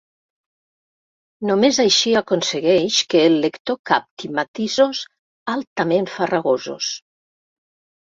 Només així aconsegueix que el lector capti matisos altrament farragosos.